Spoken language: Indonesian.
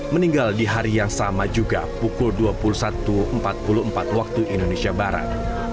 meninggal di hari yang sama juga pukul dua puluh satu empat puluh empat waktu indonesia barat